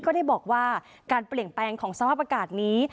ก็ได้บอกว่าการเปลี่ยนแปลงของสภาพอากาศนี้